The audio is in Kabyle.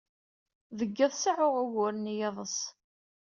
Deg yiḍ, seɛɛuɣ uguren d yiḍes.